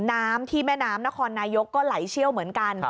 น้ำที่แม่น้ำนครนายกก็ไหลเชี่ยวเหมือนกัน